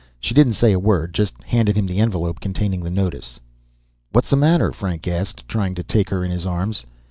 She didn't say a word, just handed him the envelope containing the notice. "What's the matter?" Frank asked, trying to take her in his arms.